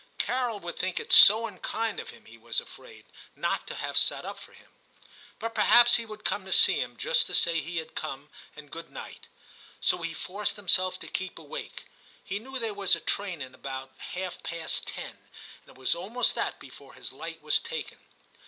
Carol would think it so unkind of him, he was afraid, not to have sat up for him. But perhaps he would come to see him, just to say he had come, and good night. So he forced himself to keep awake ; he knew there was a train in about half past ten, and it was almost that before his light was taken.